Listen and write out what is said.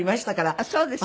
あっそうですか。